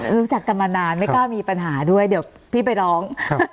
รู้จักกันมานานไม่กล้ามีปัญหาด้วยเดี๋ยวพี่ไปร้องครับ